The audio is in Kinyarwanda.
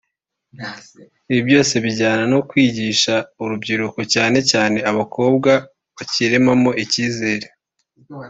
Ibi byose bijyana no kwigisha urubyiruko cyane cyane abakobwa bakiremamo icyizere